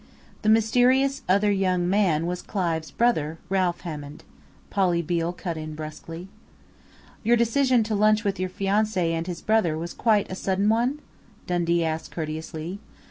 "The mysterious 'other young man' was Clive's brother, Ralph Hammond," Polly Beale cut in brusquely. "Your decision to lunch with your fiancé and his brother was quite a sudden one?" Dundee asked courteously.